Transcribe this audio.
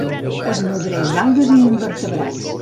Es nodreix d'algues i invertebrats.